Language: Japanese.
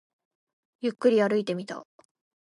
ゆっくり歩いてみた